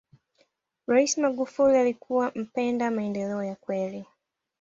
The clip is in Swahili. raisi magufuli alikuwa mpenda maendeleo ya kweli